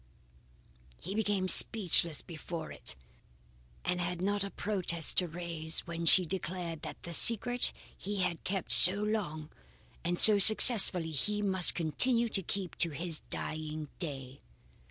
He became speechless before it and had not a protest to raise when she declared that the secret he had kept so long and so successfully he must continue to keep to his dying day.